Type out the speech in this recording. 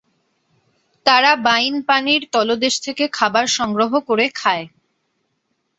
তারা বাইন পানির তলদেশ থেকে খাবার সংগ্রহ করে খায়।